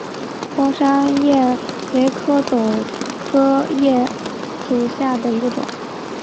贡山栎为壳斗科栎属下的一个种。